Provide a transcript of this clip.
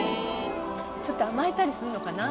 ちょっと甘えたりするのかな？